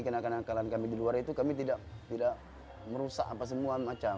kena kena kekalahan kami di luar itu kami tidak merusak apa semua macam